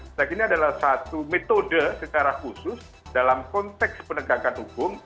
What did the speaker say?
nah ini adalah satu metode secara khusus dalam konteks penegakan hukum